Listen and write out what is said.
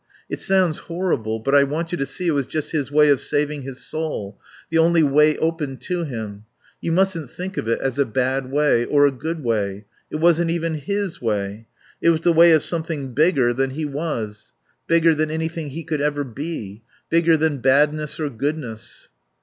It sounds horrible, but I want you to see it was just his way of saving his soul, the only way open to him. You mustn't think of it as a bad way. Or a good way. It wasn't even his way. It was the way of something bigger than he was, bigger than anything he could ever be. Bigger than badness or goodness."